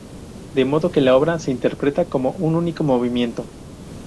De modo que la obra se interpreta como un único movimiento.